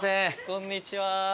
こんにちは。